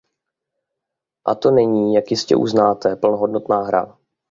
A to není, jak jistě uznáte, plnohodnotná hra.